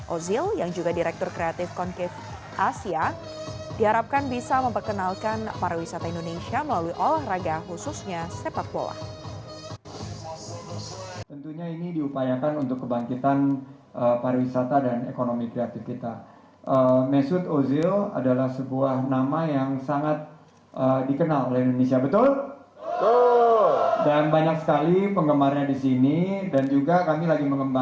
ozil yang juga direktur kreatif conclave asia diharapkan bisa memperkenalkan pariwisata indonesia melalui olahraga khususnya sepak bola